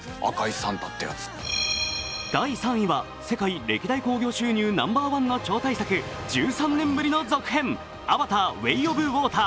第３位は世界歴代興行収入ナンバーワンの超大作１３年ぶりの続編、「アバターウェイ・オブ・ウォーター」。